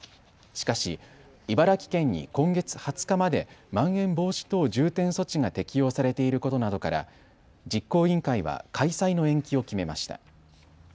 しかし、茨城県に今月２０日までまん延防止等重点措置が適用されていることなどから実行委員会は開催の延期を決めました。